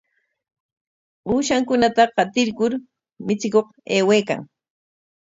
Ushankunata qatirkur michikuq aywaykan.